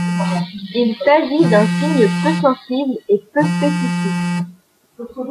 Il s'agit d'un signe peu sensible et peu spécifique.